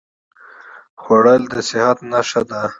خوړل د صحت نښه ده